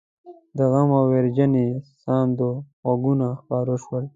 د غم او ويرجنې ساندو غږونه خپاره شول.